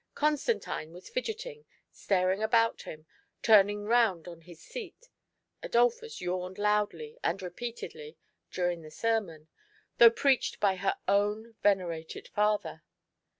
Constantine was fidgeting, staring about Mm, turning round on his seat ; Adolphus yawned loudly and repeatedly during the sermon, though preached by her own venerated father.